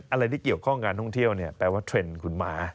อะไรที่เกี่ยวข้องการท่องเที่ยวเนี่ยแปลว่าเทรนด์คุณหมา